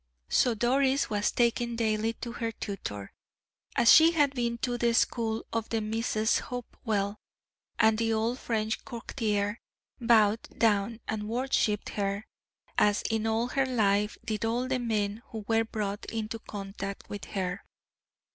So Doris was taken daily to her tutor, as she had been to the school of the Misses Hopwell, and the old French courtier bowed down and worshiped her, as in all her life did all the men who were brought into contact with her.